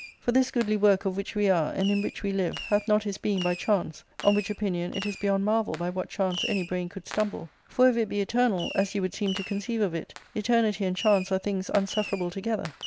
For this goodly work of which we are, and in which we live, hath not his being by chance ; on which opinioait is beyond marvel by what chance any brain could stumble. For if it be eternal, as you would seem to conceive of it, eternity and chance are things unsuf ferable together.